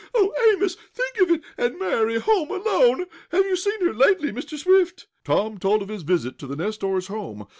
Oh, Amos! Think of it, and Mary home alone! Have you seen her lately, Mr. Swift?" Tom told of his visit to the Nestors' home.